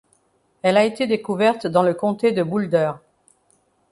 Elle a été découverte dans le comté de Boulder.